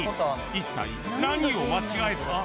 一体何を間違えた？